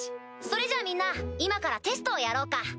それじゃあみんな今からテストをやろうか！